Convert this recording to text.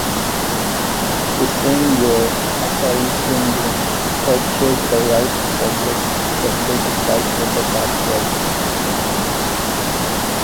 The same year, "Asahi Shinbun" purchased the right to publish the forty-five paperback volumes.